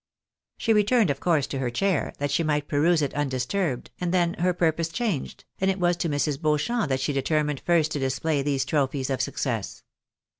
She returned, of course, to her chair, that she might peruse it un disturbed, and then her purpose changed, and it was to Mrs. Beau champ that she determined first to display these trophies of success.